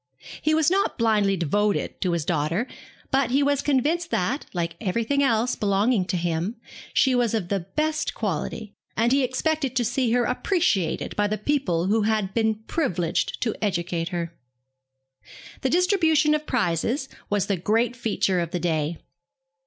He was not blindly devoted to his daughter, but he was convinced that, like every thing else belonging to him, she was of the best quality; and he expected to see her appreciated by the people who had been privileged to educate her. The distribution of prizes was the great feature of the day.